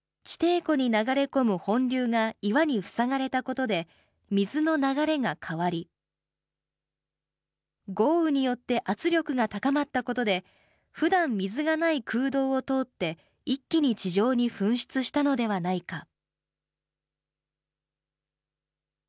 地底湖に流れ込む本流が岩に塞がれたことで、水の流れが変わり、豪雨によって圧力が高まったことで、ふだん水がない空洞を通って、一気に地上に噴出したのではないか。